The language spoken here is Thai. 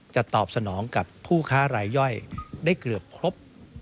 ตอบสนองกับผู้ค้ารายย่อยได้เกือบครบ